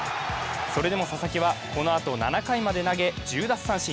それでも佐々木は、このあと７回まで投げ１０奪三振。